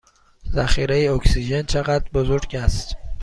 ذخیره اکسیژن چه قدر بزرگ است؟